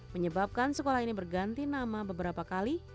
menyebabkan sekolah ini berganti nama beberapa kali